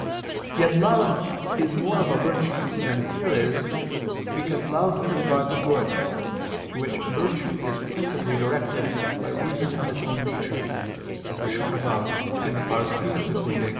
Yet love is more of a virtue than fear is, because love regards good, to which virtue is principally directed by reason of its own nature, as was shown above (I II, Q.